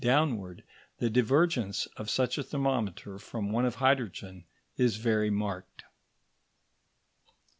downward the divergence of such a thermometer from one of hydrogen is very marked.